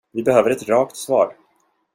Vi behöver ett rakt svar.